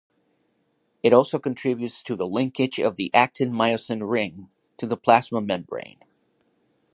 It also contributes to the linkage of the actin-myosin ring to the plasma membrane.